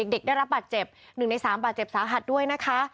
เด็กได้รับบาดเจ็บ๑ใน๓บาดเจ็บสาหัสด้วยนะคะ